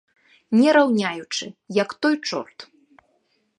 Не раўняючы, як той чорт.